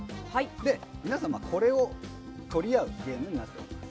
皆様、これを取り合うゲームになっています。